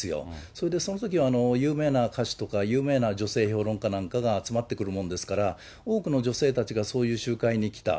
それで、そのときは有名な歌手とか、有名な女性評論家なんかが集まってくるものですから、多くの女性たちがそういう集会に来た。